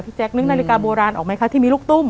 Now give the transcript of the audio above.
แจ๊คนึกนาฬิกาโบราณออกไหมคะที่มีลูกตุ้ม